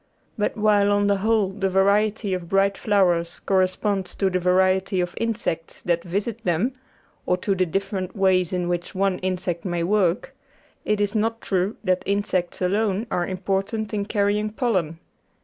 But while on the whole the variety of bright flowers corre sponds to the variety of insects that visit them, or to the different ways in which one insect may work, it is not true that insects alone are important in carrying pollen.